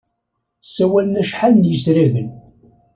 Ssawlen acḥal n yisragen.